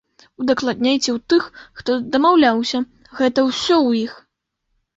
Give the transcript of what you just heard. Удакладняйце ў тых, хто дамаўляўся, гэта ўсё ў іх.